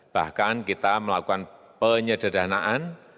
bahkan kita melakukan penyederhanaan